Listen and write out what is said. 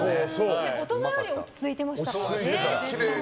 大人より落ち着いてましたから。